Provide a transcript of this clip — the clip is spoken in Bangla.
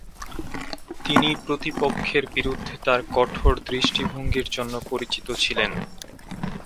তিনি প্রতিপক্ষের বিরুদ্ধে তার কঠোর দৃষ্টিভঙ্গির জন্য পরিচিত ছিলেন।